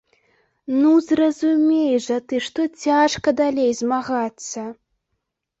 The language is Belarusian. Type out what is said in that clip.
Ну, зразумей жа ты, што цяжка далей змагацца!